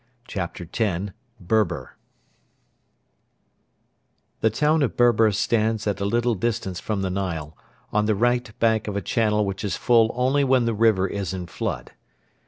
CHAPTER X: BERBER The town of Berber stands at a little distance from the Nile, on the right bank of a channel which is full only when the river is in flood.